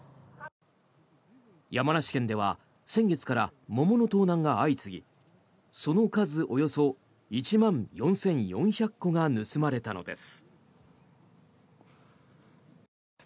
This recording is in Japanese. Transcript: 山梨県では先月から桃の盗難が相次ぎその数およそ１万４４００個が盗まれたのです。